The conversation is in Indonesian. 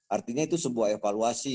artinya itu sebuah evaluasi